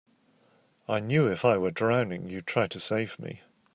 I knew if I were drowning you'd try to save me.